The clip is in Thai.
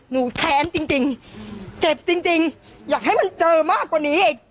หนูแข็งจริงจริงเจ็บจริงจริงอยากให้มันเจอมากกว่านี้